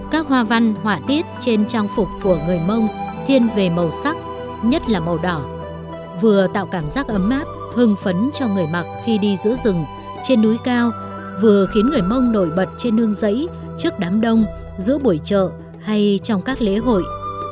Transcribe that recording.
các hoa văn họa tiết trên trang phục của người mông thiên về màu sắc nhất là màu đỏ vừa tạo cảm giác ấm áp hưng phấn cho người mặc khi đi giữ rừng trên núi cao vừa khiến người mông nổi bật trên nương giấy trước đám đông giữa buổi chợ hay trong các lễ hội